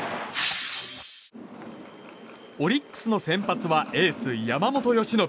オリックスの先発はエース、山本由伸。